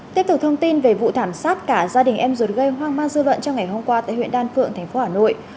tiếp tục thông tin về vụ thảm sát cả gia đình em ruột gây hoang ma dư lận trong ngày hôm qua tại huyện đan phượng thành phố hà nội